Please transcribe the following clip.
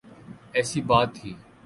ایسی بات تھی۔